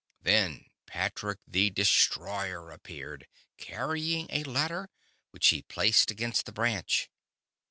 Then Patrick, the destroyer, appeared, carrying a ladder, which he placed against the branch.